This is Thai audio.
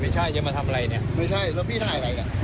ไม่ใช่จะมาทำอะไรเนี่ยไม่ใช่แล้วพี่ถ่ายอะไรเนี่ย